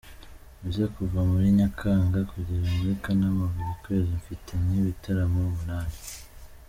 Mbese kuva muri Nyakanga kugera muri Kanama buri kwezi mfite nk’ibitaramo umunani.